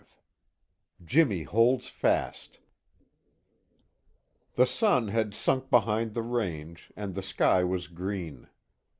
V JIMMY HOLDS FAST The sun had sunk behind the range, and the sky was green.